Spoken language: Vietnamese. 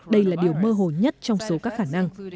đây là điều mơ hồ nhất trong số các khả năng